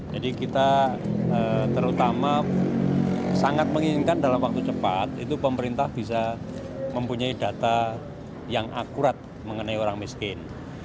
jadi kita terutama sangat menginginkan dalam waktu cepat itu pemerintah bisa mempunyai data yang akurat mengenai orang miskin